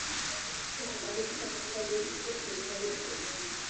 ჩოხა კაბების სახის სამოსელს განეკუთვნება.